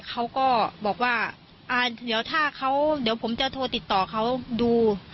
เขาก็บอกว่าเดี๋ยวถ้าเขาเดี๋ยวผมจะโทรติดต่อเขาดู